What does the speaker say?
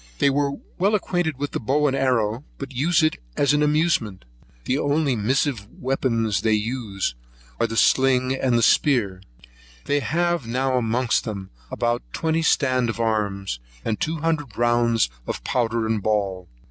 They are well acquainted with the bow and arrow, but use it as an amusement. The only missive weapons they use are the sling and spear. They have now amongst them about twenty stand of arms, and two hundred rounds of powder and ball.